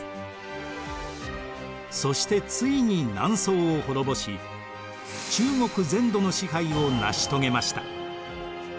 そしてついに南宋を滅ぼし中国全土の支配を成し遂げました。